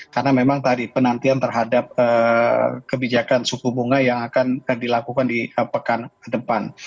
karena memang tadi penantian terhadap kebijakan suku bunga yang akan dilakukan di pekan depan